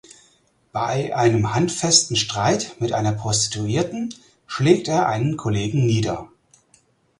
Bei einem handfesten Streit mit einer Prostituierten schlägt er einen Kollegen nieder.